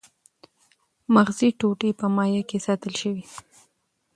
مغزي ټوټې په مایع کې ساتل شوې دي.